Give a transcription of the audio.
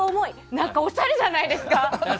何かおしゃれじゃないですか？